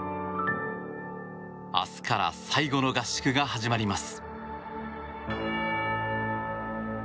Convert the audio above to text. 明日から最後の合宿が始まります。